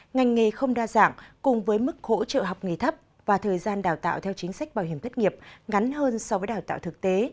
ngành nghề không đa dạng cùng với mức hỗ trợ học nghề thấp và thời gian đào tạo theo chính sách bảo hiểm thất nghiệp ngắn hơn so với đào tạo thực tế